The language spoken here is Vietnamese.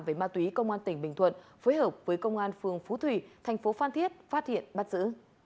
về má túy công an tỉnh bình thuận phối hợp với công an phường phú thủy tp phan thiết phát hiện bắt giữ